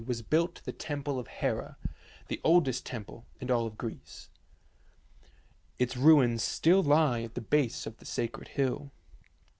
was built the temple of Hera, the oldest temple in all Greece. Its ruins still lie at the base of the sacred hill.